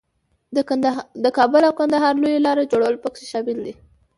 د کابل او کندهار لویې لارې جوړول پکې شامل وو.